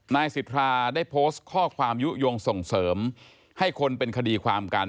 นายสิทธาได้โพสต์ข้อความยุโยงส่งเสริมให้คนเป็นคดีความกัน